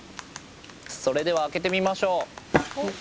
それでは開けてみましょう。